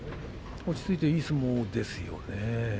落ち着いていい相撲です。